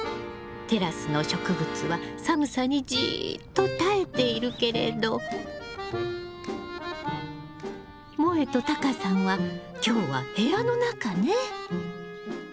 テラスの植物は寒さにじっと耐えているけれどもえとタカさんは今日は部屋の中ね。